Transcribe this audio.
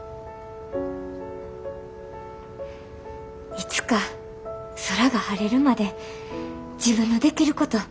いつか空が晴れるまで自分のできることやったらええって。